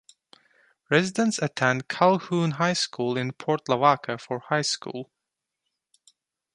Residents attend Calhoun High School in Port Lavaca for high school.